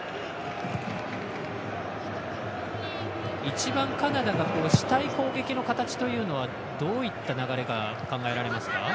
一番カナダがしたい攻撃の形というのはどういった流れが考えられますか。